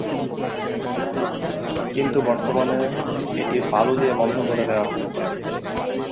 কিন্তু বর্তমানে এটি বালু দিয়ে বন্ধ করে দেওয়া হয়েছে।